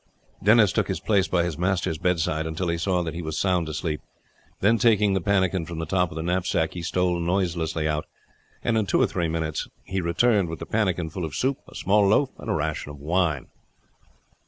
Denis took his place by his master's bedside until he saw that he was sound asleep, then taking the pannikin from the top of the knapsack he stole noiselessly out, and in two or three minutes later he returned with the pannikin full of soup, a small loaf, and a ration of wine.